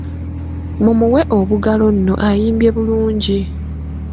Mumuwe obugalo nno ayimbye bulungi.